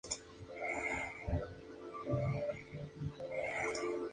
Alicante: Caja de Ahorros del Mediterráneo.